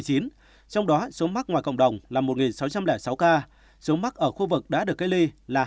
trong đó số mắc ngoài cộng đồng là một sáu trăm linh sáu ca số mắc ở khu vực đã được gây ly là hai bốn trăm bảy mươi ba ca